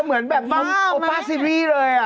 เธอเหมือนแบบบ้างโอปาร์ตซีวีเลย